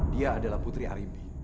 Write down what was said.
dia adalah putri arimpi